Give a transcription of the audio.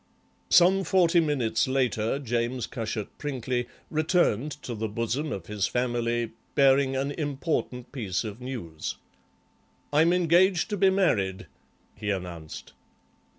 Some forty minutes later James Cushat Prinkly returned to the bosom of his family, bearing an important piece of news. "I'm engaged to be married," he announced.